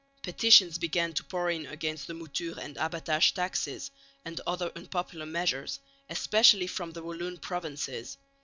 Petitions began to pour in against the mouture and abbatage taxes and other unpopular measures, especially from the Walloon provinces.